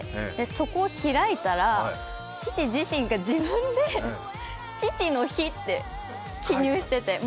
そこを開いたら、父自身が自分で父の日って記入してて。